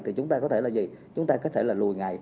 thì chúng ta có thể là gì chúng ta có thể là lùi ngay